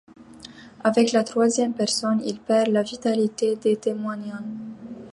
Avec la troisième personne, il perd la vitalité des témoignages.